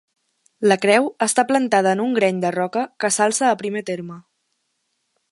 La creu està plantada en un greny de roca que s'alça a primer terme.